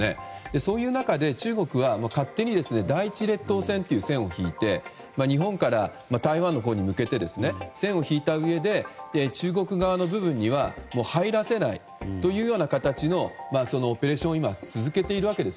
そういう中で中国は勝手に第一列島線という線を引いていて日本から台湾のほうに向けて線を引いたうえで中国側の部分には入らせないという形のオペレーションを続けているわけです。